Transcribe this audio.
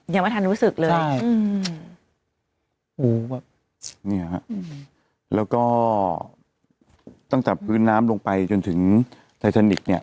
ยังไม่ทันรู้สึกเลยแล้วก็ตั้งจากพื้นน้ำลงไปจนถึงไททานิคเนี่ย